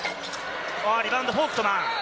リバウンド、フォウクトマン。